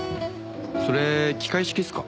それ機械式っすか？